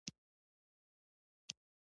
سل زره درهمه یې ورکړل.